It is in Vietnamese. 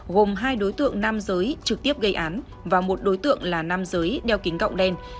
gồm hai đối tượng nam giới trực tiếp gây án và một đối tượng là nam giới đeo kính gọng đen